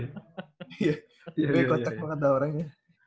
iya dia kocek banget lah orangnya